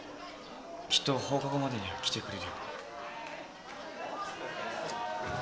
きっと放課後までには来てくれるよ。